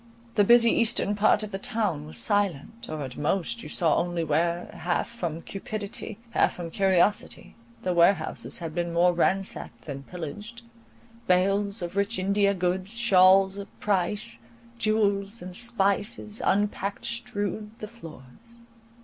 The busy eastern part of the town was silent, or at most you saw only where, half from cupidity, half from curiosity, the warehouses had been more ransacked than pillaged: bales of rich India goods, shawls of price, jewels, and spices, unpacked, strewed the floors.